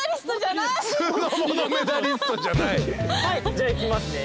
じゃあいきますね。